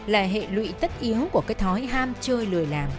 là hệ lụy tất yếu của cái thói ham chơi lười làm